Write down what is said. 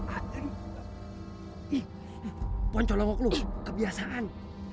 eh poncolongok lu kebiasaan